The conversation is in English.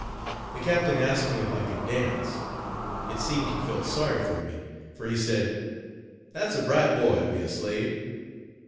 The captain asked me if I could dance. It seemed he felt sorry for me, for he said: "That's a bright boy to be a slave."